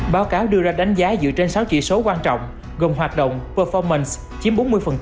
báo cáo đưa ra đánh giá dựa trên sáu chỉ số quan trọng gồm hoạt động performance chiếm bốn mươi